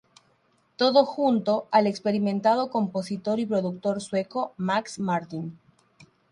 Todo junto al experimentado compositor y productor sueco Max Martin.